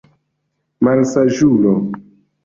Malsaĝulo!